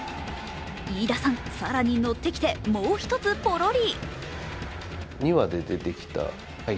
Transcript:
飯田さん、更にのってきて、もう１つポロリ。